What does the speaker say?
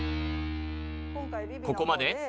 ここまで